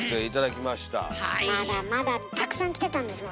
まだまだたくさん来てたんですもんね。